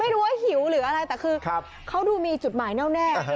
ไม่รู้ว่าหิวหรืออะไรแต่คือเขาดูมีจุดหมายแน่